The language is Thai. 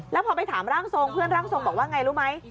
แล้วพอไปถามร่างทรงเพื่อนร่างทรงบอกว่าไงรู้ไหม